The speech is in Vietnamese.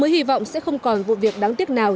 hy vọng sẽ không còn vụ việc đáng tiếc nào